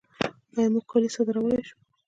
آیا موږ کالي صادرولی شو؟